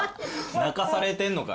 泣かされてんのかい。